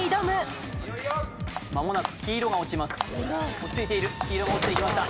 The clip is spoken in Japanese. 落ち着いている黄色が落ちていきました